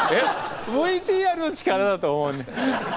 ＶＴＲの力だと思うね。